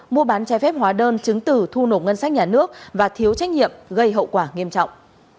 mua bán trái phép hóa đơn chứng từ thu nộp ngân sách nhà nước và thiếu trách nhiệm gây hậu quả nghiêm trọng